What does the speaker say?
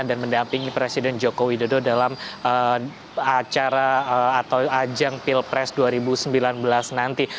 dan mendampingi presiden jokowi dodo dalam acara atau ajang pilpres dua ribu sembilan belas nanti